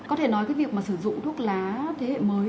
có thể nói việc sử dụng thuốc lá thế hệ mới